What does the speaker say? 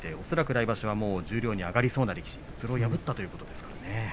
来場所は十両に上がりそうな力士とそれを破ったということですね。